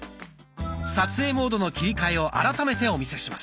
撮影モードの切り替えを改めてお見せします。